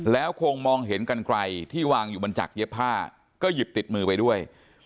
แล้วคงมองเห็นกันไกลที่วางอยู่บนจากเย็บผ้าก็หยิบติดมือไปด้วย